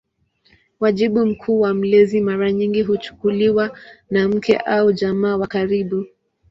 Wajibu mkuu wa mlezi mara nyingi kuchukuliwa na mke au jamaa wa karibu.